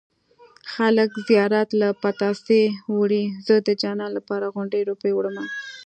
خلک زيارت له پتاسې وړي زه د جانان لپاره غونډه روپۍ وړمه